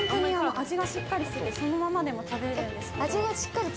味がしっかりしていて、そのままでも食べられるんですけれど。